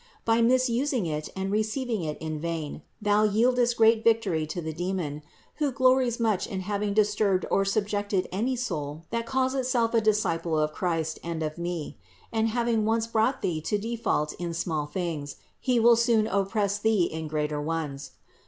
By misusing it and receiving it in vain, thou yieldest great victory to the demon, who glories much in having disturbed or subjected any soul that calls itself a disciple of Christ and of me; and having once brought thee to default in small things, he will soon oppress thee in greater ones.